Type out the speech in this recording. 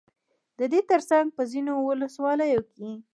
ددې ترڅنگ په ځينو ولسواليو كې